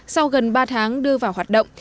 sau gần ba tháng đưa vào hoạt động